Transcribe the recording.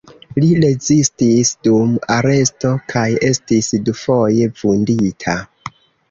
Li rezistis dum aresto kaj estis dufoje vundita.